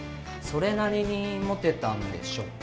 それなりにモテたんでしょ？